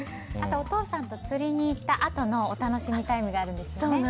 お父さんと釣りに行ったあとのお楽しみタイムがあるんですよね。